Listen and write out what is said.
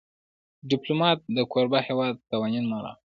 ډيپلومات د کوربه هېواد قوانین مراعاتوي.